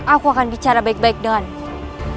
aku akan bicara baik baik denganmu